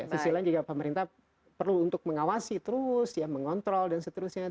sesuai juga pemerintah perlu untuk mengawasi terus ya mengontrol dan seterusnya